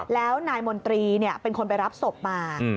แล้วนายมนตรีเป็นคนไปรับศพมา